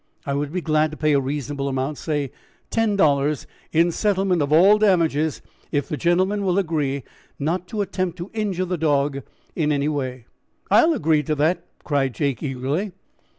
I would be glad to pay a reasonable amount say ten dollars in settlement of all damages, if the gentleman will agree not to attempt to injure the dog in any way." "I'll agree to that," cried Jake eagerly.